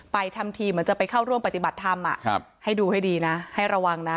ทำทีเหมือนจะไปเข้าร่วมปฏิบัติธรรมให้ดูให้ดีนะให้ระวังนะ